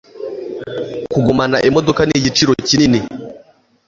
Kugumana imodoka nigiciro kinini.